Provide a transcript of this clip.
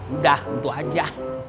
udah itu aja